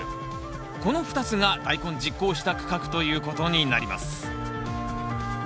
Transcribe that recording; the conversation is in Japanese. この２つが大根十耕した区画ということになります。